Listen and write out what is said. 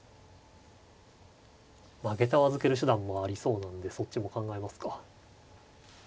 げたを預ける手段もありそうなんでそっちも考えますか。